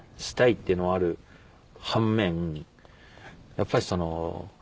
やっぱりその。